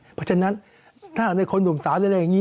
เพราะฉะนั้นถ้าในคนหนุ่มสาวหรืออะไรอย่างนี้